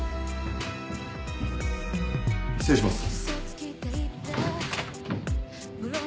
失礼します。